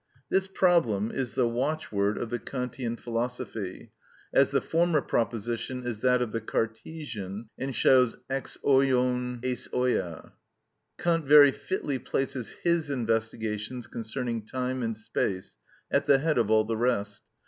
This problem is the watchword of the Kantian philosophy, as the former proposition is that of the Cartesian, and shows εξ οἱων εισ οἱα. Kant very fitly places his investigations concerning time and space at the head of all the rest.